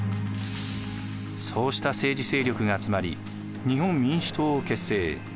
そうした政治勢力が集まり日本民主党を結成。